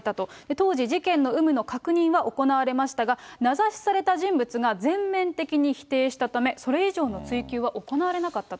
当時、事件の有無の確認が行われましたが、名指しされた人物が全面的に否定したため、それ以上の追及は行われなかったと。